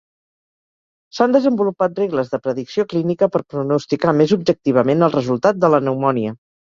S'han desenvolupat regles de predicció clínica per pronosticar més objectivament el resultat de la pneumònia.